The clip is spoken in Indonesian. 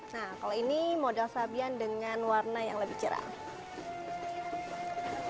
nah kalau ini modal sabian dengan warna yang lebih cerah